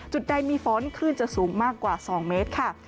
จุดใดมีฝนคลื่นจะสูงมากกว่า๒เมตรค่ะ